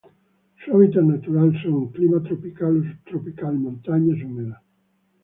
Su hábitat natural son: clima tropical o subtropical, montañas húmedas.